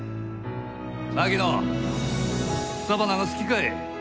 槙野草花が好きかえ？